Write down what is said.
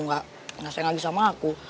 ngasih lagi sama aku